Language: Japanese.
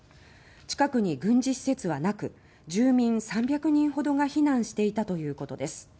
近くに軍事施設はなく住民３００人ほどが避難していたということです。